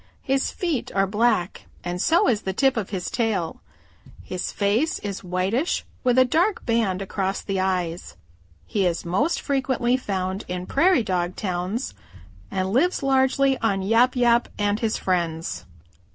His feet are black and so is the tip of his tail. His face is whitish with a dark band across the eyes. He is most frequently found in Prairie dog towns and lives largely on Yap Yap and his friends.